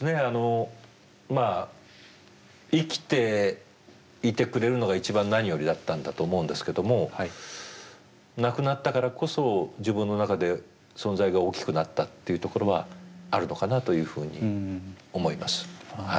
あのまあ生きていてくれるのが一番何よりだったんだと思うんですけども亡くなったからこそ自分の中で存在が大きくなったっていうところはあるのかなというふうに思います。